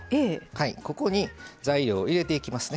ここに材料を入れていきますね。